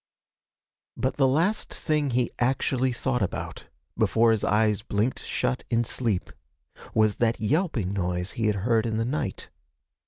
But the last thing he actually thought about, before his eyes blinked shut in sleep, was that yelping noise he had heard in the night.